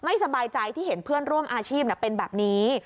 สบายใจที่เห็นเพื่อนร่วมอาชีพเป็นแบบนี้